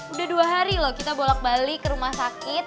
udah dua hari loh kita bolak balik ke rumah sakit